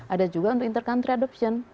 ada juga untuk inter country adoption